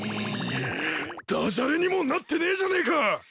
駄じゃれにもなってねえじゃねえか！